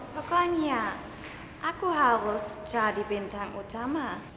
pokoknya aku harus jadi bintang utama